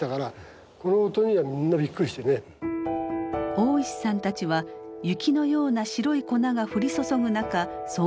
大石さんたちは雪のような白い粉が降り注ぐ中操業を続けます。